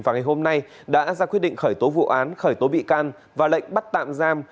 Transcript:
và ngày hôm nay đã ra quyết định khởi tố vụ án khởi tố bị can và lệnh bắt tạm giam